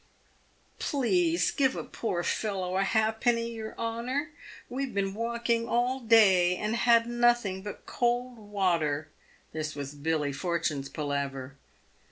" Please, give a poor fellow a halfpenny, your honour. "We've been walking all day, and had nothing but cold water." This was Billy Fortune's palaver.